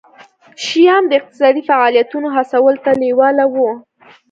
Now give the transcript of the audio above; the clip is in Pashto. شیام د اقتصادي فعالیتونو هڅولو ته لېواله وو.